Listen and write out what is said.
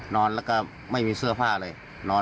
นอนแล้วก็ไม่มีเสื้อผ้าเลยนอน